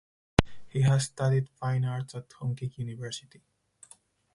He has studied fine arts at Hongik University.